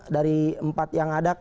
dari empat yang ada